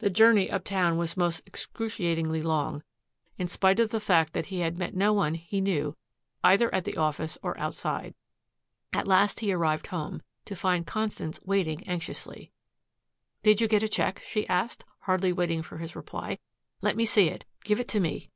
The journey uptown was most excruciatingly long, in spite of the fact that he had met no one he knew either at the office or outside. At last he arrived home, to find Constance waiting anxiously. "Did you get a check?" she asked, hardly waiting for his reply. "Let me see it. Give it to me."